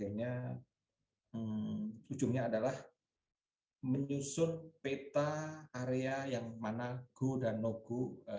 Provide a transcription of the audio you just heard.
misalnya akhirnya ujungnya adalah menyusun peta area yang managu dan nogu